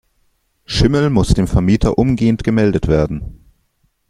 Schimmel muss dem Vermieter umgehend gemeldet werden.